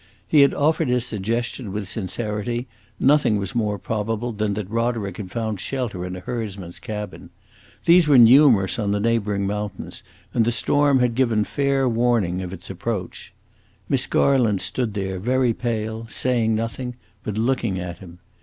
He had offered his suggestion with sincerity; nothing was more probable than that Roderick had found shelter in a herdsman's cabin. These were numerous on the neighboring mountains, and the storm had given fair warning of its approach. Miss Garland stood there very pale, saying nothing, but looking at him.